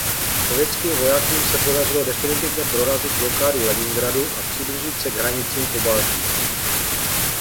Sovětským vojskům se podařilo definitivně prorazit blokádu Leningradu a přiblížit se k hranicím Pobaltí.